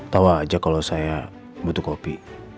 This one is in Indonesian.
tahu aja kalau saya butuh kopi